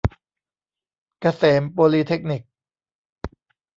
เกษมโปลีเทคนิค